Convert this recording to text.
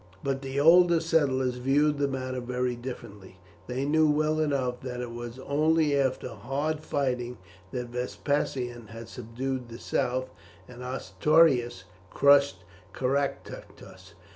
But the older settlers viewed the matter very differently. They knew well enough that it was only after hard fighting that Vespasian had subdued the south, and Ostorius crushed Caractacus.